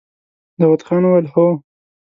داوود خان وويل: هو!